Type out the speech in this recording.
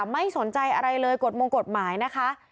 ไม่สนใจอะไรเลยกฎมงกฎหมายนะคะ